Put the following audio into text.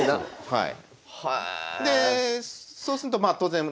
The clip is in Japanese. はい。